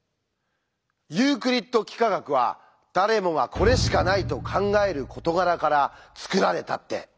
ユークリッド幾何学は誰もが「これしかない」と考える事柄から作られたって。